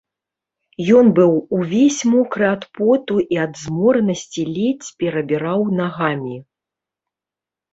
Ён быў увесь мокры ад поту і ад зморанасці ледзь перабіраў нагамі.